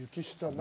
何？